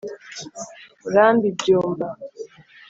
murambi byumba)